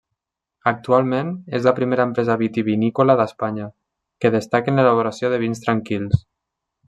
Actualment és la primera empresa vitivinícola d'Espanya, que destaca en l'elaboració de vins tranquils.